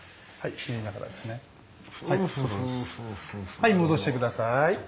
はい戻して下さい。